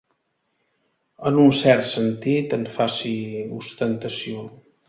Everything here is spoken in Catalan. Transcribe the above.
En un cert sentit, en faci ostentació.